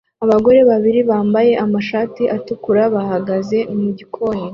Abagore babiri bambaye amashati atukura bahagaze mu gikoni